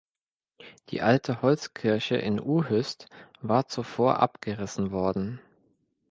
Die alte Holzkirche in Uhyst war zuvor abgerissen worden.